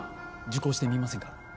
受講してみませんか？